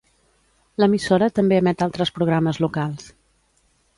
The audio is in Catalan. L'emissora també emet altres programes locals.